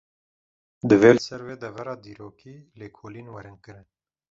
Divê li ser vê devera dîrokî, lêkolîn werin kirin